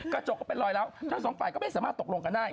กระจกก็เป็นรอยล้าวทั้งสองฝ่ายก็ไม่สามารถตกลงกันได้